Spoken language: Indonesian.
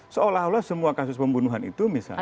seolah olah semua kasus pembunuhan itu misalnya